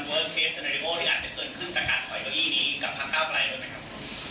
จากการถอยเก้าหี้นี้กับภาคก้าวไกลโดยไหมครับ